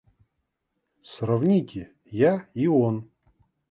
Сравните: я и – он!